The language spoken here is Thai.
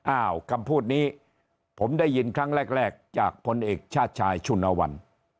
อ้าวคำพูดนี้ผมได้ยินครั้งแรกจากพลเอกชาติชายชุนวัน